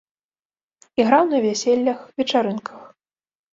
Іграў на вяселлях, вечарынках.